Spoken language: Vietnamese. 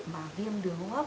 mà viêm đường hoa hấp